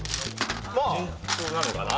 まあ順調なのかな？